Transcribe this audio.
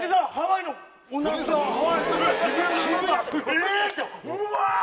「え！」って「うわ！」。